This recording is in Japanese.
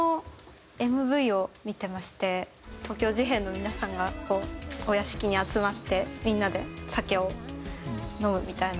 東京事変の皆さんがこうお屋敷に集まってみんなで酒を飲むみたいな。